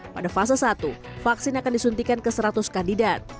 pada fase satu vaksin akan disuntikan ke seratus kandidat